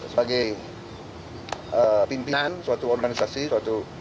sebagai pimpinan suatu organisasi suatu